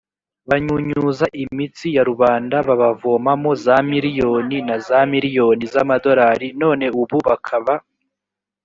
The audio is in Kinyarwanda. banyunyuza imitsi ya rubanda babavomamo za miriyoni na za miriyoni z amadolari none ubu bakaba